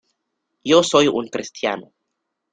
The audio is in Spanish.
Yo soy un cristiano.